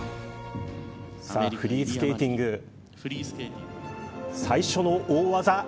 フリースケーティング最初の大技。